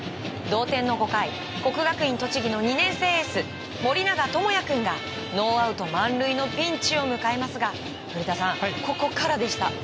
同点の５回国学院栃木の２年生エース盛永智也君がノーアウト満塁のピンチを迎えますが、ここからでした。